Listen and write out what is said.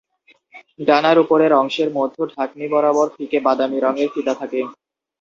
ডানার উপরের অংশের মধ্য-ঢাকনি বরাবর ফিকে বাদামি রঙের ফিতা থাকে।